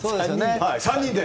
３人で。